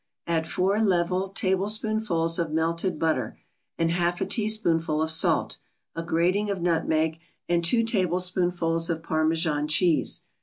Add four level tablespoonfuls of melted butter, and half a teaspoonful of salt, a grating of nutmeg and two tablespoonfuls of Parmesan cheese.